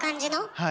はい。